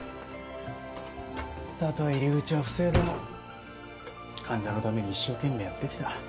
たとえ入り口は不正でも患者のために一生懸命やってきた